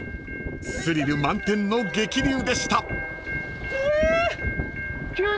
［スリル満点の激流でした］